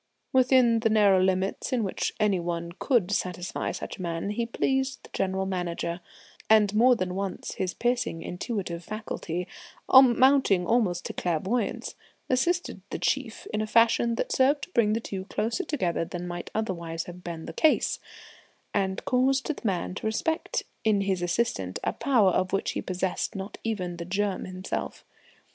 Within the narrow limits in which any one could satisfy such a man, he pleased the General Manager; and more than once his piercing intuitive faculty, amounting almost to clairvoyance, assisted the chief in a fashion that served to bring the two closer together than might otherwise have been the case, and caused the man to respect in his assistant a power of which he possessed not even the germ himself.